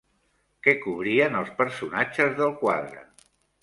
Què cobrien els personatges del quadre?